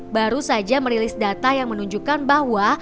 baru saja merilis data yang menunjukkan bahwa